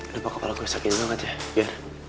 lupa kepala gue sakit banget ya